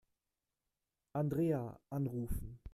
Andrea anrufen.